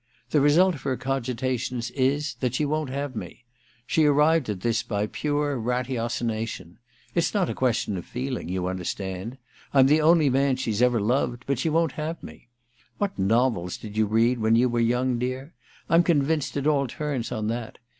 *The result of her cogitations is that she won't have me. She arrived at this by pure ratiocination — it's not a question of feeling, you understand. I'm the only man she's ever loved — but she won't have me. What novels 286 THE QUICKSAND i did you read when you were young, dear? Tin convinced it all turns on that.